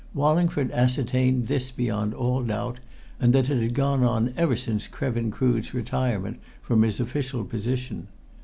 Wallingford ascertained this beyond all doubt, and that it had gone on ever since Krevin Crood's retirement from his official position.